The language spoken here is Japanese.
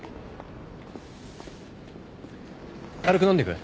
軽く飲んでく？